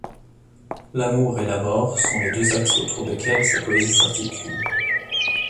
L'amour et la mort sont les deux axes autour desquels sa poésie s'articule.